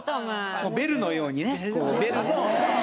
ベルのようにねこう。